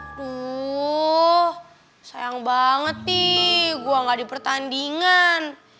aduh sayang banget nih gue gak di pertandingan